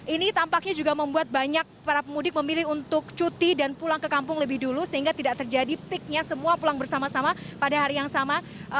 ini tampaknya juga membuat banyak para pemudik memilih untuk cuti dan pulang ke kampung lebih dulu sehingga tidak terjadi peaknya semua pulang bersama sama pada hari yang sama